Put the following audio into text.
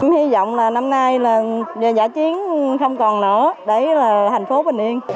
hi vọng là năm nay giã chiến không còn nữa đấy là hạnh phúc và niềm